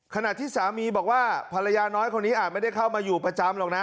ขณะที่สามีบอกว่าภรรยาน้อยคนนี้อาจไม่ได้เข้ามาอยู่ประจำหรอกนะ